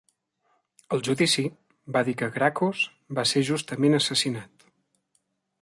Al judici, va dir que Gracchus va ser justament assassinat.